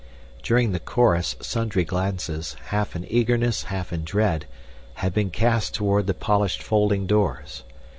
During the chorus sundry glances, half in eagerness, half in dread, had been cast toward the polished folding doors.